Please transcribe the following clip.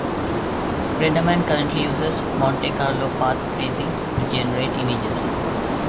RenderMan currently uses Monte Carlo path tracing to generate images.